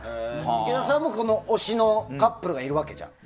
池田さんも推しのカップルがいるわけじゃん。